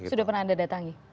sudah pernah anda datang